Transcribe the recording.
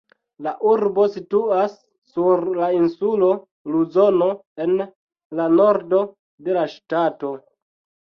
La urbo situas sur la insulo Luzono, en la nordo de la ŝtato.